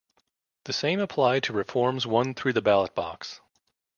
The same applied to reforms won through the ballot box.